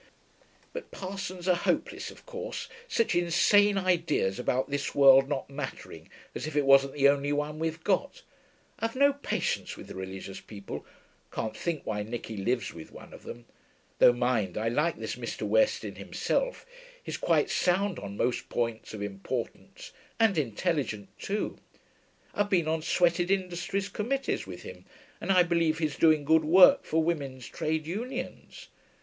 But parsons are hopeless, of course. Such insane ideas about this world not mattering, as if it wasn't the only one we've got. I've no patience with religious people; can't think why Nicky lives with one of them. Though, mind, I like this Mr. West in himself; he's quite sound on most points of importance, and intelligent, too; I've been on Sweated Industries committees with him, and I believe he's doing good work for women's trade unions.